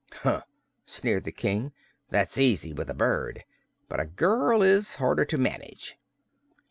"Huh!" sneered the King. "That's easy, with a bird; but a girl is harder to manage."